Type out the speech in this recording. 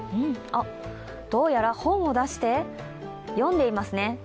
どうやら本を出して、読んでいますね。